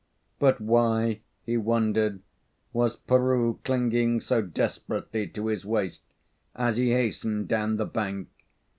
But why, he wondered, was Peroo clinging so desperately to his waist as he hastened down the bank?